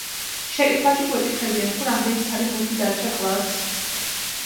შეკითხვაში გვეკითხებიან თუ რამდენი ცალი ბურთი დარჩა კლასს?